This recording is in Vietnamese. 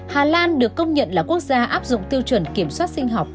hà lan được công nhận là quốc gia áp dụng tiêu chuẩn kiểm soát sinh học